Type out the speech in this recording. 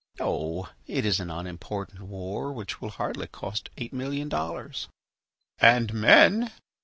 "Oh! it is an unimportant war which will hardly cost eight million dollars." "And men